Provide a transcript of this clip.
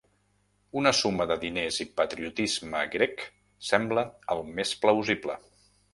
Una suma de diners i patriotisme grec sembla el més plausible.